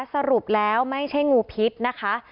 สรุปแล้วไม่ใช่งูพิษนะคะ